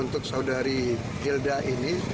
untuk saudari hilda ini